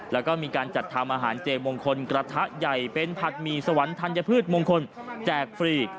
แล้วก็มีการจัดทำอาหารเจมงคลกระทะใหญ่เป็นผัดหมี่สวรรค์ธัญพืชมงคลแจกฟรี